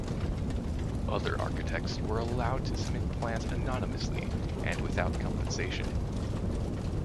Other architects were allowed to submit plans anonymously and without compensation.